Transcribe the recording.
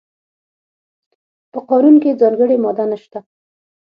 په قانون کې ځانګړې ماده نشته.